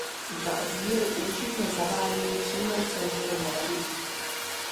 Dva oddíly účinně zavádějí přímou cenzuru médií.